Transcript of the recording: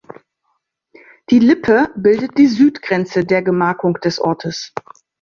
Die Lippe bildet die Südgrenze der Gemarkung des Ortes.